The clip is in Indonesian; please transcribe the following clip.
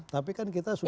tapi kan kita sudah